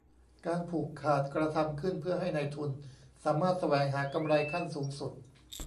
การผูกขาดกระทำขึ้นเพื่อให้นายทุนสามารถแสวงหา กำไรขั้นสูงสุด